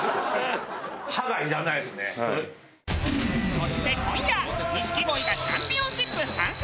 そして今夜錦鯉がチャンピオンシップ参戦。